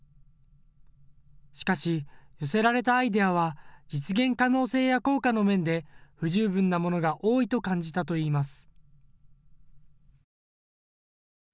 しかし、寄せられたアイデアは実現可能性や効果の面で不十分なものが多いと感じたといいます。